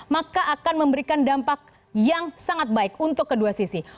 maka akan memberikan dampak yang sangat baik untuk kedua sisi